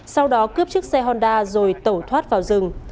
sau đó cướp chiếc xe honda rồi tẩu thoát vào rừng